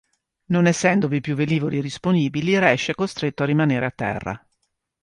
Non essendovi più velivoli disponibili, Resch è costretto a rimanere a terra.